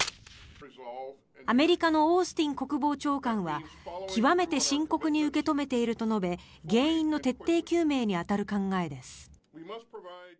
アメリカのオースティン国防長官は極めて深刻に受け止めていると述べ原因の徹底究明に当たる考えです。